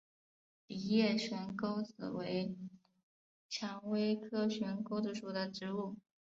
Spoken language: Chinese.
梨叶悬钩子为蔷薇科悬钩子属的植物。